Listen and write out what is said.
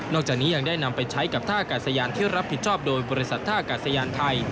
จากนี้ยังได้นำไปใช้กับท่ากาศยานที่รับผิดชอบโดยบริษัทท่ากาศยานไทย